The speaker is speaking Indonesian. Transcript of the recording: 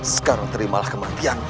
sekarang terimalah kematianmu